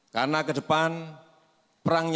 karena ke depan perangnya